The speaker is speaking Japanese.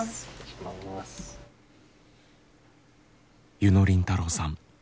柚野凜太郎さん。